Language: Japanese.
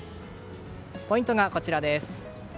ポイントがこちらです。